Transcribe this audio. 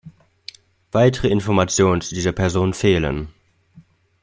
Weitere Informationen zu dieser Person fehlen.